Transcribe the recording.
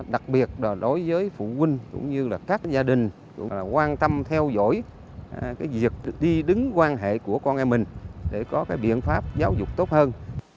đặc biệt đối với phụ huynh các gia đình quan tâm theo dõi việc đi đứng quan hệ của con em mình để có biện pháp giáo dục tốt hơn